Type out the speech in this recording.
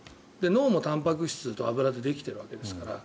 脳もたんぱく質と油でできているわけですから。